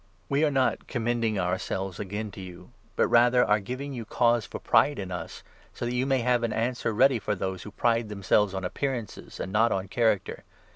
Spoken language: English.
We are not " commending ourselves " again to you, but rather ia are giving you cause for pride in us, so that you may have an answer ready for those who pride themselves on appearances and not on character.